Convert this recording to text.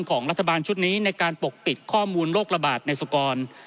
ของรัฐบาลชุดนี้ในการปกปิดข้อมูลโรคระบาดในสุกร